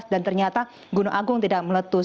dan ternyata gunung agung tidak meletus